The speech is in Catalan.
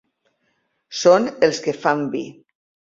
Són els que fan vi.